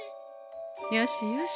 よしよし